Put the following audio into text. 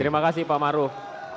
terima kasih pak maruh